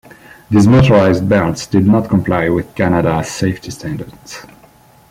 These motorized belts did not comply with Canada's safety standards.